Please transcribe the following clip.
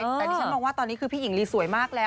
แต่ดิฉันมองว่าตอนนี้คือพี่หญิงลีสวยมากแล้ว